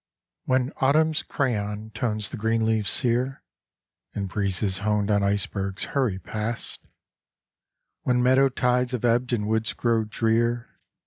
When Autumn's crayon tones the green leaves sere, And breezes honed on icebergs hurry past ; When meadow tides have ebbed and woods grow drear.